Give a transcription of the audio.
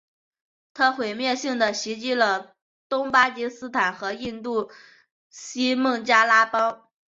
它毁灭性地袭击了东巴基斯坦和印度西孟加拉邦。